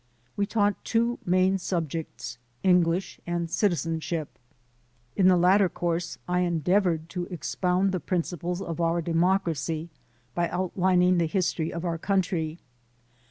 We taught two main subjects: English and Citizenship. 208 THE SOUL OF AN IMMIGRANT In the latter course I endeavored to expound the principles of our democracy by outlining the history of our country.